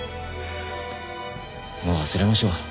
もう忘れましょう。